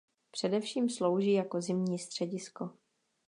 Především slouží jako zimní středisko.